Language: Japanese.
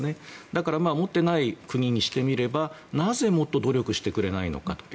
だから持っていない国にしてみればなぜもっと努力してくれないのかと。